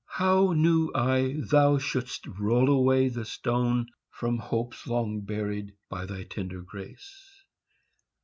How knew I thou shouldst roll away the stone From hopes long buried, by thy tender grace?